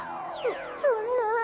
そそんな。